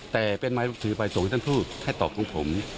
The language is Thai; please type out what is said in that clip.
แต่เป็นไม้ถือไปส่งที่ท่านพูดให้ตอบของผม